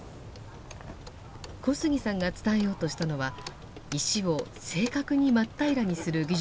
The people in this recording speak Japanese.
小杉さんが伝えようとしたのは石を正確に真っ平らにする技術でした。